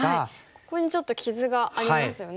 ここにちょっと傷がありますよね。